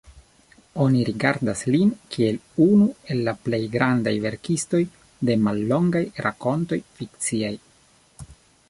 Oni rigardas lin kiel unu el la plej grandaj verkistoj de mallongaj rakontoj fikciaj.